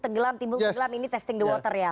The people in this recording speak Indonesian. tenggelam timbul tenggelam ini testing the water ya